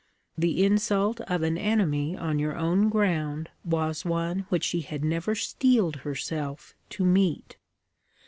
The insult of an enemy on your own ground was one which she had never steeled herself to meet.